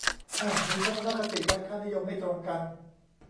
อ้าวมีทัศนคติและค่านิยมไม่ตรงกัน